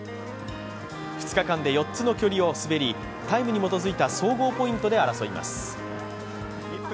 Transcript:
２日間で４つの距離を滑り、タイムに基づいた総合ポイントで争います。